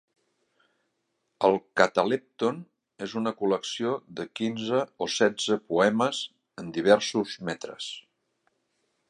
El "Catalepton" és una col·lecció de quinze o setze poemes en diversos metres.